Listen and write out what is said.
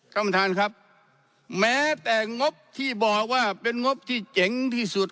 ท่านประธานครับแม้แต่งบที่บอกว่าเป็นงบที่เจ๋งที่สุด